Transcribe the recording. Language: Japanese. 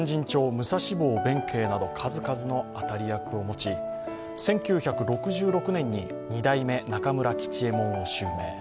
武蔵坊弁慶など数々の当たり役を持ち１９６６年に二代目中村吉右衛門を襲名。